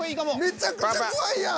めちゃくちゃ怖いやん。